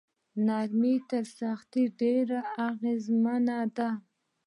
نرمي تر سختۍ ډیره اغیزمنه ده.